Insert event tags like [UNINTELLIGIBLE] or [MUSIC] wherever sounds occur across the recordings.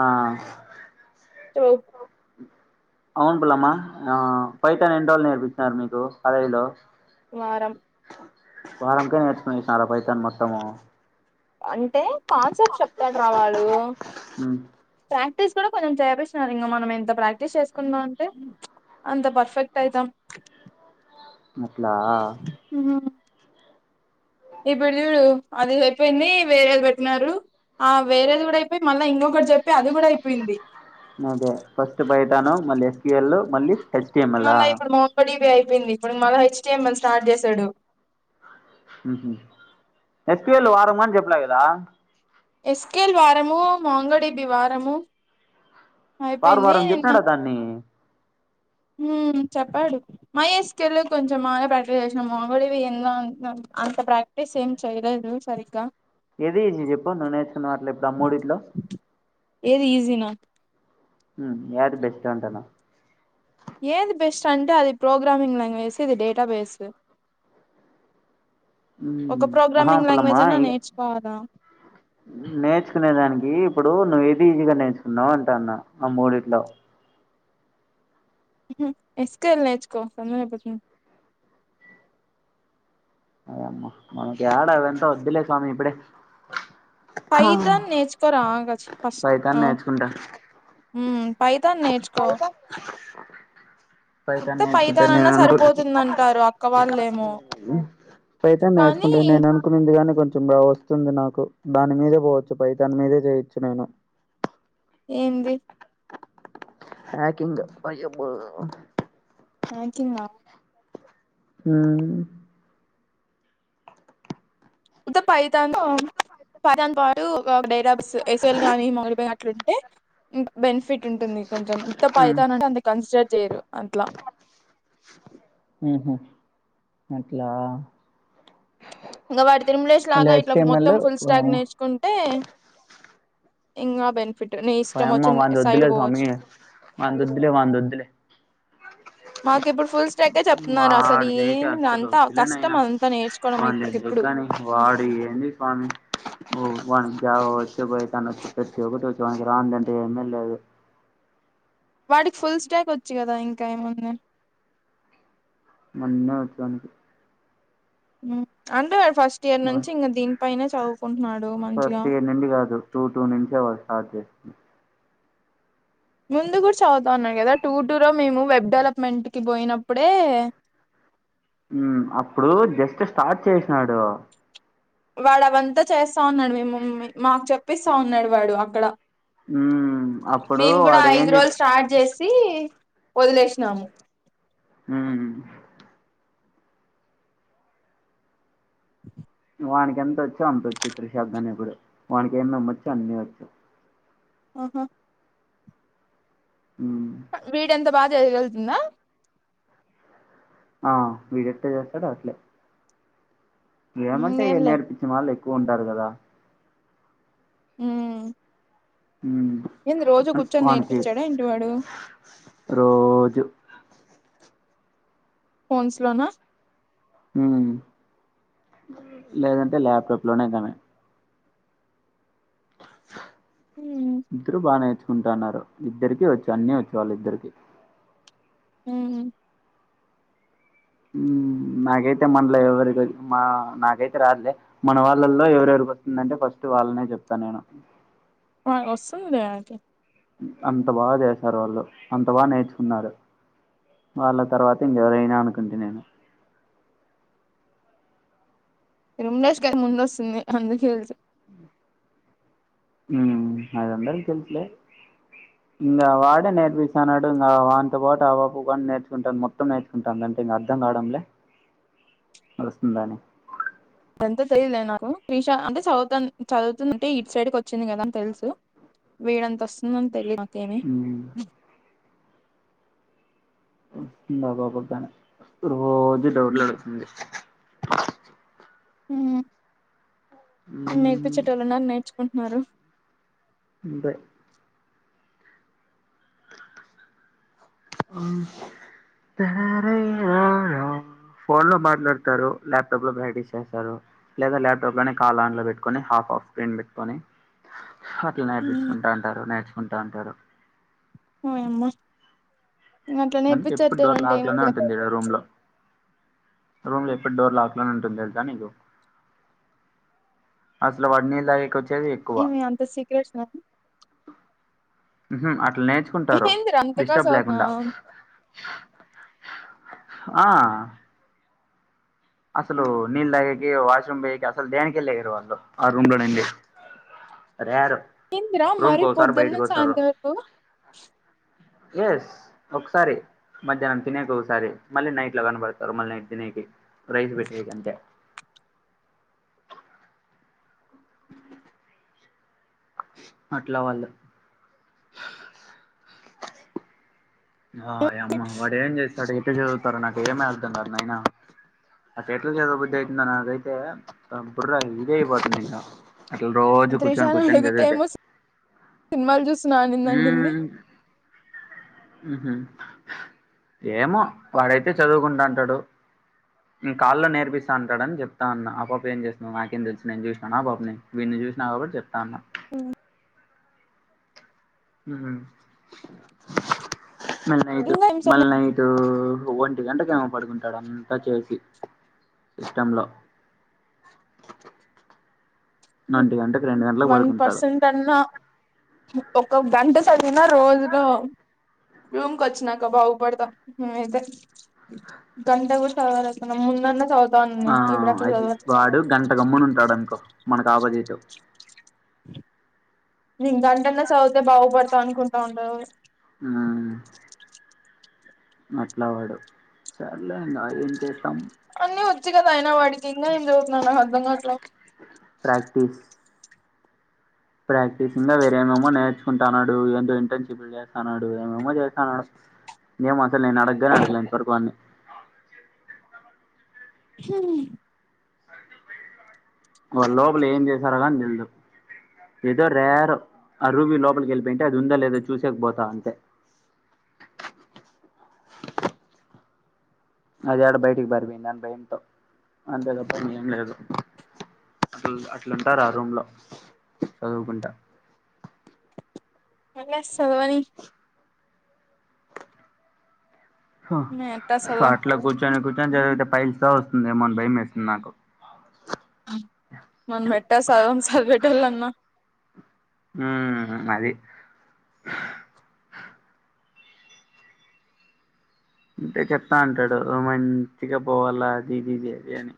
ఆ టోస్ అవును పిల్లమ్మా పైటన్ ఎన్నిరోజులు నేర్పించినన్నారు మీకు కాలేజీలో వారం వారంకే నేర్చుకుసారా పైసాను మొత్తము అంటే కాన్సెప్ట్ చెప్తాడు రా వాళ్ళు మ్ ఫ ట్రిస్ కూడా కొంచం చేపిస్తున్నారు ఇగా మనం ఎంత ప్రాక్టీస్ చేసుకుందాం అంటే అంత పర్ఫెక్ట్ అయితాం ఓ అట్లా ఆ [INAUDIBLE] ఇప్పుడు చూడు అది అయిపోయింది వేరేది పెట్టినారు ఆ వేరేది కూడా అయిపోయి మళ్ళీ ఇంగోకటి చెప్పి అది కూడా అయిపోయింది అదే ఫస్ట్ బయటాను మళ్ళీ ఎస్కిఎల్ మళ్ళీ హెచ్టిఎంఎల్ ఆ మొన్న ఇప్పుడు మొక్కడిది అయిపోయింది ఇప్పుడు మళ్ళా హెచ్టి ఎమ్ ఎల్ స్టార్ట్ చేసాడు ఉహు ఎస్క్యుఎల్ వారమని చేప్పినా కదా ఎస్కెల్ వారము మాంగో డిబి వారము వారం అయిపోయింది వారం నిన్న చెప్పినాడా దాన్ని హ చెప్పాడు మై ఎస్క్యూఎల్ కొంచెం బాగా పెట్ట చేసిన మాంగో డిబి ఏందో అంత అంత ప్రాక్టీస్ ఏం చేయలేదు సరిగా ఏది చెప్పు నువ్ నేర్చుకున్న అట్లే ఇప్పుడు మూడిట్లో ఏది ఈజిన ఉ యాది బెస్ట్ అంటన్న ఏది బెస్ట్ అంటే అది ప్రోగ్రామింగ్ లాంగ్వేజ్ ఇది డేటాబేస్ మ్ ఒక ఆహా ప్రోగ్రామింగ్ పుల్లమ్మ లాంగ్వేజ్ అన్నా నేర్చుకోవాలా నేర్చుకునే దానికి ఇప్పుడు నువ్వు ఏది ఈజీగా నేర్చుకున్నావు అంటన్నా ఆ మూడిట్లో ఉహు ఎస్క్యూఎల్ నేర్చుకో తొందరగా అయిపోతుంది వాయమ్మ మనకి ఎడా అదంతా వద్దులే స్వామి ఇప్పుడే ఫైతాన్ నేర్చుకోరా ఆగచ్చు ఫస్ట్ పైతాన్ ఆ నేర్చుకుంటా ఉ పైతాన్ నేర్చుకో పైతాన్ ఉత్త నేర్చుకుంటా నేను పైతానన్నా అనుకు సరిపోతుందంటారు అక్క వాళ్ళేమో పైథాన్ కానీ నేర్చుకుంటే నేను అనుకుంది గానీ కొ కొంచెం బాగా వస్తుంది నాకు దాని మీదే పోవచ్చు పై దాని మీదే చేయొచ్చు నేను ఏంది హాకింగ్ అయబ హాకింగా ఉ ఉత్త పైతాను పైతను పాటు డేటాబేస్ కానీ ఎక్యూఎల్ గాని మొ ఇట్లుంటే బెనిఫిట్ ఉంటుంది కొంచెం తప్ప ఉమ్ అవుతా అనంటే అంత కన్సిడర్ చేయరు అట్లా ఉహు అట్లా ఇంకా వాటి తిరుమలేస్ మళ్ళీ లాగా ఇట్లా హెచ్టిఎంఎల్ మొత్తం ఫుల్ స్టాక్ ఓయమ్మ నేర్చుకుంటే ఇంగ బెని ఫిట్ నీ ఇష్టం ఓయమ్మ వచ్చిన వాంది సైడ్ వద్దులే పోవచ్చు స్వామి వాంది వద్దులే వాంది వద్దులే మాకి ఇప్పుడు ఫుల్ స్టా ఇకే చెప్తున్నారు అసలు వాడిదైతే ఏం అస్సలు అంతా వద్దులే కష్టం నాయనా అంతా నేర్చుకోవడం వాని ఎందుకు ఇప్పుడికిప్పుడు కాని [UNINTELLIGIBLE] వానికి జావా వచ్చు పైతాన్ వచ్చు ప్రతి ఒక్కటి వచ్చు వానికి రానిదంటు ఏమీ లేదు వాడికి ఫుల్ స్టాక్ వచ్చు కదా ఇంకా ఏముంది అన్ని వచ్చు వానికి ఉ అంటే ఫస్ట్ ఇయర్ నుంచి వానికి ఇంకా దీనిపైనే చదువుకుంటున్నాడు మంచిగా ఫస్ట్ ఇయర్ అ ముందు కూడా చదువుతా ఉన్నారు కదా టూ టూ లో మేము వెబ్ డెవలప్మెంట్ కి పోయినప్పుడే ఉమ్ అప్పుడు జస్ట్ స్టార్ట్ చేసినాడు వాడు అవంతా చేస్తా ఉన్నాడు మిమమ్ మాకు చెప్పిస్తా ఉన్నాడు వాడు అక్కడ మ్మ్ అప్పుడు మేము కూడా వాడు ఐదు ఏంది రోజులు స్టార్ట్ చేస్ సి వదిలేసినాము ఊ వానికి ఎంతోచ్చో, అంతొచ్చు. త్రిష కానీ ఇప్పుడు. వానికి ఏమేమొచ్చో అన్ని వచ్చు. ఓహో మ్ వీడంత బా చదవగలుగుతుందా? ఆ వీడెట్ట చేస్తాడో అట్లే మ్మ్ ఏమన్నంటే ఇగ ఏంలే నేర్పించిన వాళ్ ఎక్కువుంటారు కదా! మ్ మ్ వానికి, నేర్పించాడా ఏంటి వాడు రోజు. ఫోన్స్ లోనా? ఉమ్. లేదంటే, ల్యాప్టాప్ లోనే కానీ. మ్మ్ ఇద్దరు బా నేర్చు కుంటాన్నారు. ఇద్దరికి వచ్చు అన్ని వచ్చు వాల్లిద్దరికి. మ్ ఉమ్ నాకైతే, మనలో ఎవరి, మా నాకైతే రాదులే. మన వాళ్ళల్లో ఎవరెవరు వస్తుందంటే ఫస్ట్ వాళ్ళనే చెప్తాను నేను. ఆ వస్తుందిలే వాళ్ళకి. అంత బాగ చేసారు వాళ్ళు. అంత బాగ నేర్చుకున్నారు. వాళ్ళ తర్వాత ఇంకెవరయినా అనుకుంటి నేను. రూమ్ లెస్ స్కై ముందొస్తుంది అందుకే తెలుసు. మ్ మ్ అది అందరికీ తెలుసులే. ఇంగ వాడే నేర్పిస్తాన్నాడు. ఇంగ వానితో పాటు ఆ పాప కానీ నేర్చుకుంటె మొత్తం నేర్చుకుంటాందన్ అంటే ఇంకా అర్థం కావడంలే, వస్తుందని? అదంతా తెలియదులే నాకు. త్రిష అంటే చదువుతంద్, చదువుతుందంటె, ఇట్ సైడ్కి వచ్చింది కదా అని తెలుసు. వీడంత వస్తుందని తెలిదు. నాకేమి. వస్తుంది ఆ పాపకి గానీ. రోజు డౌట్లడుగుతుంది. మ్ నేర్పించేటోల్ ఉన్నారు. నేర్చుకుంటున్నారు. అంతె మ్. తరారే రారా ఫోన్ లో మాట్లాడతారు. ల్యాప్టాప్ లో ప్రాక్టీస్ చేస్తారు. లేదా ల్యాప్టాప్ లోనే కాల్ ఆన్ లో పెట్టుకొని, హ హాఫ్ హాఫ్ స్క్రీన్ పెట్టుకొని, హట్ల మ్మ్ నేర్పించుకుంటాంటారు. నేర్చుకుంటాంటారు. ఓ యమ్మ. ఇంగ అట్ల అందుకే ఎప్పుడు డోర్ నేర్పించేత్తారంటే లాక్ లోనే ఏముందిరా ఉంటుంది ఈడ రూమ్ లో రూమ్ లో ఎప్పుడు డోర్ లాక్ లోనె ఉంటుంది. తెల్సా నీకు? అసలు వాడ్ నీళ్లు తాగేకి వచ్చి ఏమి అంత సీక్రెట్స్ ఆ మ్హు. అట్ల నేర్చుకుంటారు అంత డిస్టర్బ్ కాసవుతున్నా లేకుండా. ఆ అసలు నీళ్లు తాగేకి, వాష్రూమ్ పొయ్యెకి, అసలు దేనికి లెయరు. ఆ రూమ్ లో నిండి రేరు. ఏందిరా రూమ్కి మరి ఓసారి పొద్దున్న బయటికొస్తారు. సాయంత్రం వరకు ఎస్ ఒకసారి. మధ్యాహ్నం తినేకి ఒకసారి, మళ్ళ నైట్లలా కనబడతారు. మళ్ నైట్ తినేకి. రైస్ పెట్టెకంతే. అట్ల వాళ్ళు. వాయమ్మ, వాడు ఏం చేస్తాడు, ఎట్ట చదువుతారో, నాకు ఏమి అర్థం కాదు నాయినా. అట్ట ఎట్ల చదువుబుద్ధి అయితుందో, నాకైతే బుర్ర ఇదైపోతుంది ఇంకా అట్ల. రోజు కూర్చొని, కూర్చొని చదివితే. సినిమాల్ చూస్తున్నా అనిందనింది. మ్హు, ఏమో వాడైతే చదువుకుంటాంటాడు. కాల్లో నేర్పిస్తా అంటాడని చెప్తా అన్నా. ఆ పాప ఏం చేస్తున్నదో నాకేం తెలుసు నేను చూశినానా ఆ పాపని. విన్ని చూసినా కాబట్టి చెప్తా ఉన్నా. ఉమ్ హుహ్ మళ్ళీ నైట్ ఇంగా ఏం స్వప్న మల్నైట్ ఒంటి గంటకు ఎమో పడుకుంటాడు అంతా చేసి సిస్టం లో ఒంటి గంటకు వన్ పర్సెంట్ అన్నా ఒక గంట చదివినా రోజులో రూమ్ కి వచ్చినాక బాగుపడతం నేనాయితే గంట కూడా చదవలేకున్నా ముం దన్నా చదువు ఆ అది వాడు గంట గమ్మును ఉంటాడు అనుకో మనకు ఆపోజిట్ నేను గంటన్నా స దువుతే బాగుపడతా అనుకుంటా ఉంటా హ్మ్ అట్లా వాడు సర్లే ఇంగా ఎంచేస్తాం. అన్నీ వచ్చు కదా అయినా వాడికి ఇంగా ఏం చదువుతున్నాడు నాకు అర్ధం కావట్లే. ప్రాక్టీస్ ఇంగా వేరేమేమో నేర్చుకుంటాన్నాడు. ఎంటో ఎంటో ఇంటర్న్షిప్ చేస్తాన్నాడు ఏమేమో చేస్తాన్నాడు. ఏమో అసలు నేను అడగ్గనే అడగలే ఇంతవరకు వాన్ని హ్ వాళ్ళు లోపల ఏం చేసారో కాని తెలిదు. ఏదో రేర్ ఆ రుబి లోపలికి వెళ్ళిపోయింటే అది ఉందా లేదో చూసేకి పోతా అంతే. [INAUDIBLE] అది ఏడ బయటికి పారిపోయిందా అని భయంతో అంతే తప్ప ఇంగా ఎం లేదు. అసలు అట్లుంటారు ఆ రూమ్ లో చదువుకుంటా. కని సదవని మేము ఎట్టా సదవం అట్లా కూర్చొని కూర్చొని చదివితే పైల్స్ రావు ఏమోని భయం వేస్తుంది నాకు. మనం ఎట్టా సదవం చదివేటోళ్ళన్నా హ్మ్ హ్ అది ఉంటే చెప్తా అంటాడు మంచిగా పోవాలా అదిదిది అది అని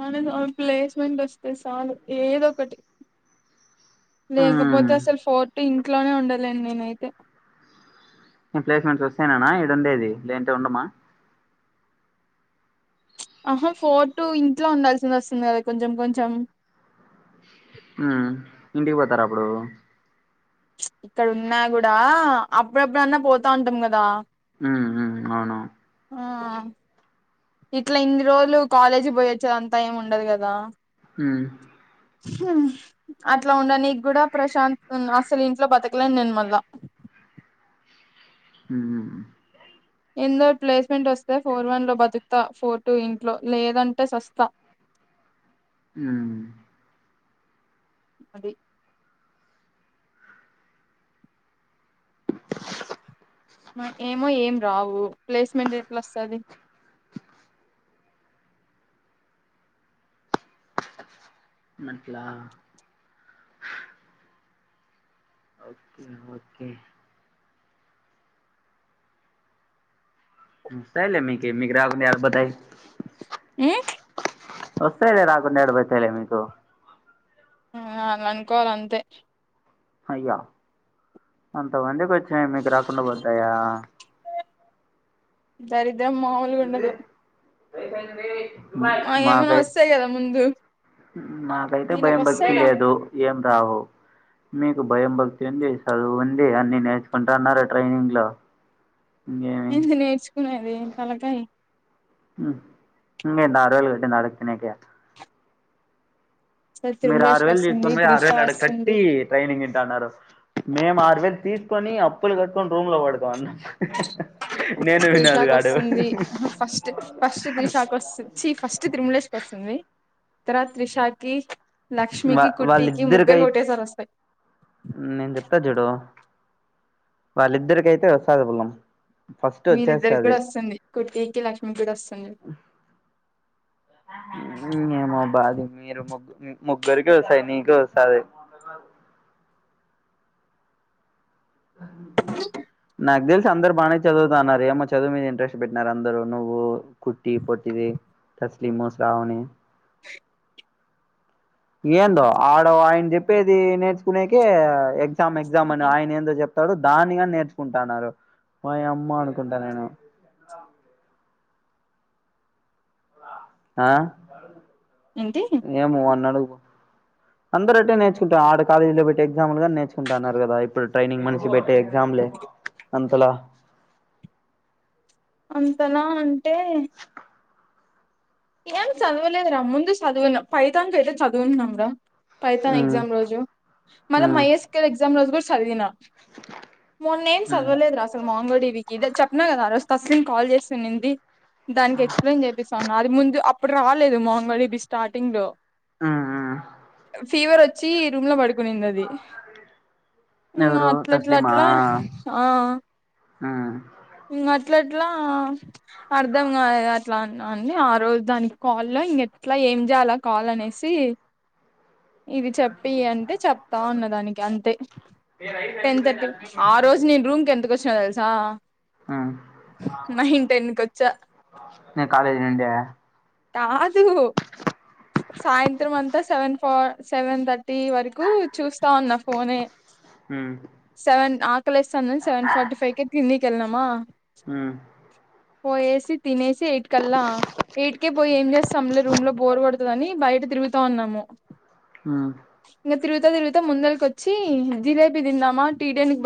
మనకు ఓ ప్లేస్మెంట్ వస్తే సాలు ఏదో ఒకటి. ఉమ్ లేకపోతే అసలు ఫోర్ట్ టూ ఇంట్లోనే ఉండలేను నేనైతే. ఎం ప్లేస్మెంట్స్ వస్తేనేనా ఈడ ఉండేది లేదంటే ఉండమా. ఆహా ఫోర్టు ఇంట్లో ఉండాల్సి వస్తుంది కదా కొంచెం కొంచెం. ఉ ఇంటికి పోతారా అప్పుడు. ఇక్కడ ఉన్నా కూడా అప్పుడప్పుడన్నా పోతా ఉంటాం కదా. అవునవును ఆ ఇట్లా ఇన్ని రోజులు కాలేజీ పోయి వచ్చేదంతా ఏమి ఉండదు కదా. హ్ ఉ అట్లా ఉండ నీకి కూడా ప్రశాంతంగా అస్సలు ఇంట్లో బతకలేను నేను మళ్ళా. ఉమ్ ఎందో ప్లేస్మెంట్ వస్తే ఫోర్ వన్ లో బతుకుతా ఫోర్టు టూ ఇంట్లో లేదంటే సస్తా. ఉ అది మ ఏమో ఏం రావు ప్లేస్మెంట్ ఏట్ల అస్తది. అట్లా ఒకే ఓకే వస్తాయిలే మీకి మీకు రాకుండా ఏడపోతాయ్. హ్ వస్తాయిలే రాకుండా ఏడబోతాయిలే మీకు. ఆ అనన్కోవాలంతే అయ్యో అంతమందికి వచ్చినాయ్ మీకు రాకుండా పోతాయా దరిద్రం మాములు గుండదు. అయిపోయింది. మా కేమైనా వస్తాయి కదా ముందు నా కైతే వీళ్ళకి భయం భక్తి వస్తాయి రా లేదు. ఏం రావు. మీకు భయం భక్తి ఉంది. చదువు ఉంది. అన్ని నేర్చుకుంటన్నారు ట్రైనింగ్ లో ఇంకేమి ఏంది నేర్చుకునేది తలకాయ్ మ్ ఇంగేంది ఆరువేలు కట్టింది అడక్తినేక మీరు ఆరు తిరుమలేష్కి వేలు వస్తుంది తీసుకుని పోయి ఆరు త్రిష వేలు ఆడ వస్తుంది కట్టి ట్రైనింగ్ ఇంటాన్నారు. మేము ఆరు వేలు తీసుకొని అప్పులు కట్టుకొని రూమ్లో పడతాన్నాం. త్రిశ కొస్తుంది. అహ ఫస్ట్ ఫస్ట్ త్రిశ కొస్తు చి ఫస్ట్ తిరుములేష్ కొస్తుంది. తర్వాత త్రిషాకి వా లక్ష్మికి కుట్టికి ముగ్గురు వాళ్ళీద్దరికైత్ ఒకటేసారి వస్తాయి నేను చెప్తా చూడు వాళ్ళిద్దరికైతే వస్తాది బలం. వీళ్ళిద్దరిక్కూడా వస్తుంది. కుట్టికి లక్ష్మి కూడొస్తుంది. ఇంగేమోబ్బా అది మీరు ముగ్గు ముగ్గురికి వస్తాయి నీకూ వస్తాది. [UNINTELLIGIBLE] అ నాక్ తెలుసు అందరరు బాగానే చదువుతాన్నారు ఏమో చదువు మీద ఇంట్రెస్ట్ పెట్టినారు. అందరు నువ్వు కుట్టి పొట్టిది తస్లీము శ్రావణి ఏందో ఆడ ఆయన చెప్పేది నేర్చుకునేకి ఎగ్జ మ్ ఎగ్జామ్ అని ఆయనేందో చెప్తాడు. దాన్ని గాని నేర్చుకుంటన్నారు. ఓయమ్మ అనుకుంటా నేను ఆ ఏంటి ఏమో వాన్నడుగుపో అందరట్టే నేర్చుకుంటారు ఆడ కాలేజ్లో పెట్టే ఎగ్జామ్ల్ గాని నేర్చుంటన్నారు కదా ఇప్పుడు ట్రైనింగ్ మనిషి పెట్ ట్టే ఎగ్జామ్మ్లే అంతలా అంతలా అంటే ఏం చదవలేదురా ముందు చదువిన పైతాన్ కైతే చదువున్నాంరా పైతాన్ మ్మ్ ఎగ్జామ్ రోజు మళ్ల మ్మ్ మైఎస్కర్ ఎగ్జామ్ రోజు కూడ చదివిన మొన్నేం మ్మ్ చదవలేదురా అసలు మాంగోలి బీకీ ఇది చెప్నా కదా ఆ రోజ్ తస్లీమ్ కాల్ చేస్తున్నింది. దానికి ఎక్స్ప్లెయిన్ చేపిస్తాన్నా అది ముందు అప్పుడు రాలేదు మాంగొలి బీ స్టార్టింగ్ లో మ్మ్ మ్మ్ ఫీవరొచ్ చ్చి ఈ రూమ్లో పడు కునిందది. ఎవరు ఇంగట్లట్లా అట్లా ఆ ఆ ఇంగట్ల అట్లా అర్ధం కాదుగా అట్లా అన్నా అండి. ఆ రోజు దానికి కాల్లో ఇంగేట్లా ఏం జేయాలా కాల్ అనేసి అ [INAUDIBLE] ఇది చెప్పి అంటే చెప్తావున్నా దానికి అంతే టెన్ థర్టీ ఆ రోజు నేను రూమ్కి ఎంతకొచ్చినానో తెలుసా నైన్ టెన్ కొచ్చా నే కాలేజ్ నుండి కాదు సాయంత్రమంతా seven four seven thirty వరకు చూస్తా ఉన్న ఫోనే మ్ సెవెన్ ఆకలేస్తాందని సెవెన్ ఫార్టీ ఫైవ్ కే తిన్నికేళ్నామా మ్ పోయేసి తినేసి ఎయిట్ కల్లా ఎయిట్కే పోయి ఏం చేస్తాంలే రూమ్లో బోర్ కొడ తదని బయట తిరుగుతా ఉన్నాము. హ్మ్ ఇంగ తిరుగుతా తిరుగుతా ముందరి కొచ్చి జిలేబీ తిన్నామా టీటేన్కి పోయి